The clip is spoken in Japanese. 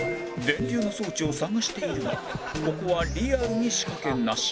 電流の装置を探しているがここはリアルに仕掛けなし